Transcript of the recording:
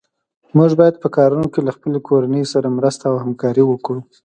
موږ باید په کارونو کې له خپلې کورنۍ سره مرسته او همکاري وکړو.